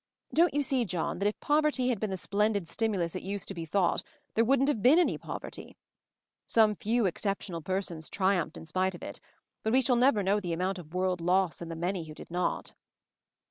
Don't ! you see, John, that if poverty had been the : splendid stimulus it used to be thought, there wouldn't have been any poverty? j Some few exceptional persons triumphed in spite of it, but we shall never know the amount of world loss in the many who did not.